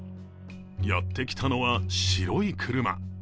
やってきたのは白い車。